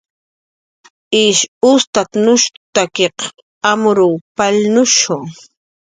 Ish ustatnushstakiq amurw palnushu